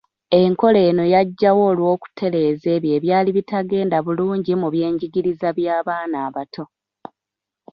Enkola eno yajjawo olw’okutereeza ebyo ebyali bitagenda bulungi mu by’enjigiriza by’abaana abato.